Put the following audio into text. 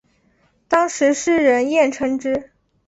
当时世人艳称之。